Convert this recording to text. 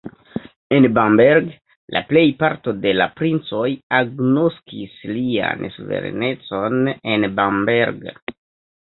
En Bamberg la plejparto de la princoj agnoskis lian suverenecon en Bamberg.